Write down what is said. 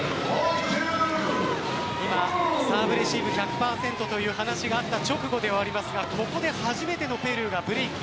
今、サーブレシーブ１００％という話があった直後ではありますがここで初めてのペルーがブレーク。